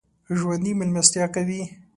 ژوندي مېلمستیا کوي